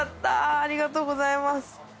ありがとうございます。